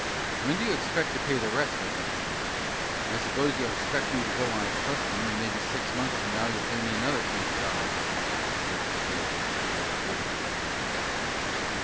When do you expect to pay the rest, I'd like to know? I s'pose you expect me to go on trustin', and mebbe six months from now you'll pay me another eight dollars," said the storekeeper, with withering sarcasm.